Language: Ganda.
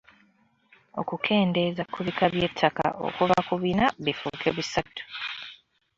Okukendeeza ku bika by’ettaka okuva ku bina bifuuke bisatu.